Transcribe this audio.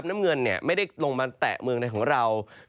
สีน้ำเงินเนี่ยไม่ได้ลงมาแตะเมืองไทยของเรา